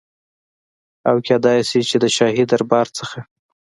او کيدی شي چي د شاهي دربار نه